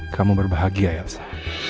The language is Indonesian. kamu berbahagia yasa